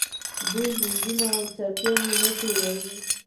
آیا دوی میزونه او څوکۍ نه جوړوي؟